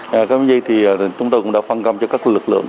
các bệnh viện thì chúng tôi cũng đã phân công cho các lực lượng